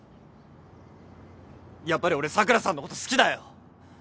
やっぱり俺桜さんのこと好きだよ。